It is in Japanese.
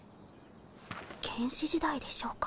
原始時代でしょうか。